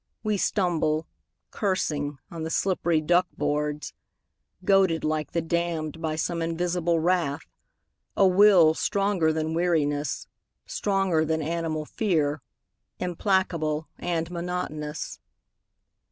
We stumble, cursing, on the slippery duck boards. Goaded like the damned by some invisible wrath, A will stronger than weariness, stronger than animal fear, Implacable and monotonous.